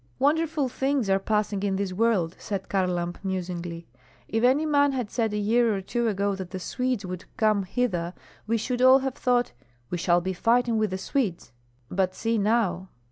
"Wonderful things are passing in this world," said Kharlamp, musingly. "If any man had said a year or two ago that the Swedes would come hither, we should all have thought, 'We shall be fighting with the Swedes;' but see now."